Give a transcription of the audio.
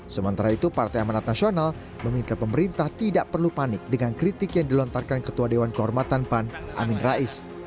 sementara itu partai amanat nasional meminta pemerintah tidak perlu panik dengan kritik yang dilontarkan ketua dewan kehormatan pan amin rais